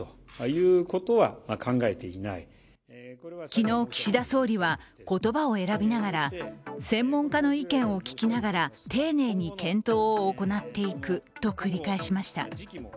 昨日、岸田総理は言葉を選びながら、専門家の意見を聞きながら丁寧に検討を行っていくと繰り返しました。